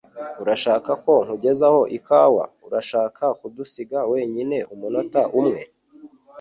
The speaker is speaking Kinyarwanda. Urashaka ko nkugezaho ikawa? Urashaka kudusiga wenyine umunota umwe?